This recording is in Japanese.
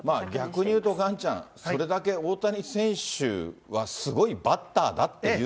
逆にいうとガンちゃん、それだけ大谷選手はすごいバッターだ